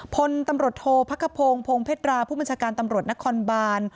พลตำรวจโทษพักขพงศ์พงเพชรราผู้บัญชาการตำรวจนครบาน